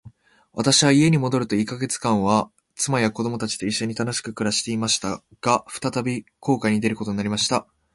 私は家に戻ると五ヵ月間は、妻や子供たちと一しょに楽しく暮していました。が、再び航海に出ることになりました。